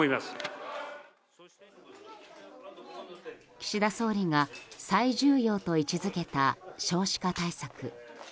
岸田総理が最重要と位置付けた少子化対策。